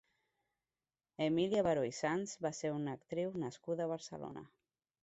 Emília Baró i Sanz va ser una actriu nascuda a Barcelona.